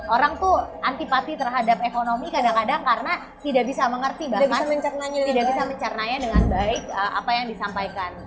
orang tuh antipati terhadap ekonomi kadang kadang karena tidak bisa mengerti bahkan tidak bisa mencernanya dengan baik apa yang disampaikan